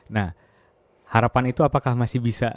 nah harapan itu apakah masih bisa